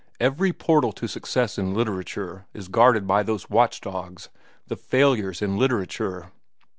Every portal to success in literature is guarded by those watch dogs, the failures in literature.